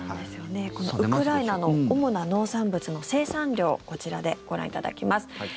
このウクライナの主な農産物の生産量こちらでご覧いただきます。